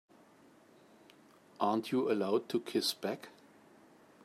Aren't you allowed to kiss back?